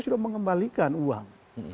sudah mengembalikan uang